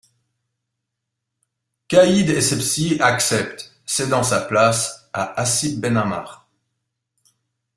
Caïd Essebsi accepte, cédant sa place à Hassib Ben Ammar.